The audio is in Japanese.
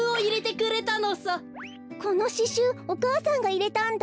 このししゅうお母さんがいれたんだ。